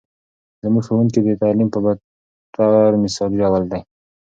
زموږ ښوونکې د تعلیم په بطور مثالي موډل دی.